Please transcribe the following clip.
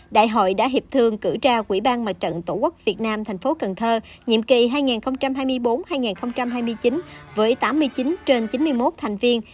đại hội đã hiệp thương cử ra quỹ ban mặt trận tổ quốc việt nam thành phố cần thơ nhiệm kỳ hai nghìn hai mươi bốn hai nghìn hai mươi chín với tám mươi chín trên chín mươi một thành viên